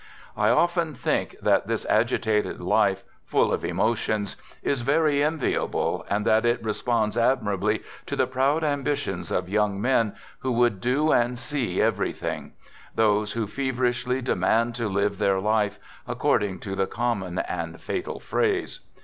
... I often think that this agitated life, full of emo tions, is very enviable, and that it responds admirably to the proud ambitions of young men who would do and see everything — those who feverishly demand "THE GOOD SOLDIER 75 " to live their life," according to the common and fatal phrase.